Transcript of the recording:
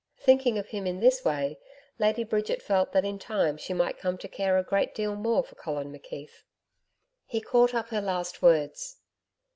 Thinking of him in this way, Lady Bridget felt that in time she might come to care a great deal more for Colin McKeith. He caught up her last words.